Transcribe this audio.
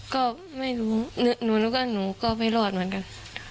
ก็ไม่รู้หนูก็ไม่รอดเหมือนกัน